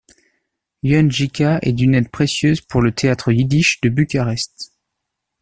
Ion Ghica est d'une aide précieuse pour le théâtre yiddish de Bucarest.